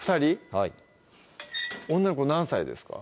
はい女の子何歳ですか？